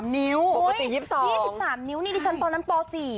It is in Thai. นิ้วปกติ๒๒๓นิ้วนี่ดิฉันตอนนั้นป๔